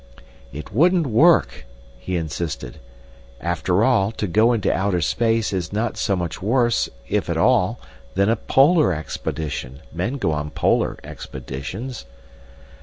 "It wouldn't work," he insisted. "After all, to go into outer space is not so much worse, if at all, than a polar expedition. Men go on polar expeditions."